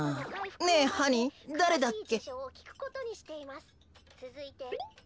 ねえハニーだれだっけ？